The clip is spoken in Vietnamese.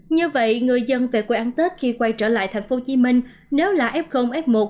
như vậy người dân về quê ăn tết khi quay trở lại tp hcm nếu là f f một